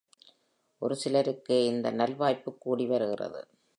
ஒருசிலருக்கே இந்த நல்வாய்ப்புக் கூடி வருகிறது.